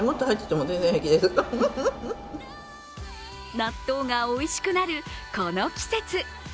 納豆がおいしくなる、この季節。